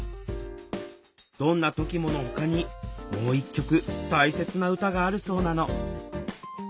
「どんなときも。」のほかにもう一曲大切な歌があるそうなの